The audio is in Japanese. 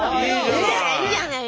いいじゃない！